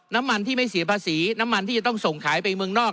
น้ำมันที่ไม่เสียภาษีน้ำมันที่จะต้องส่งขายไปเมืองนอก